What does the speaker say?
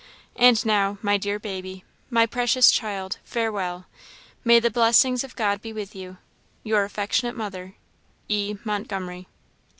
"And now, my dear baby my precious child farewell! May the blessings of God be with you! Your affectionate mother, "E. MONTGOMERY."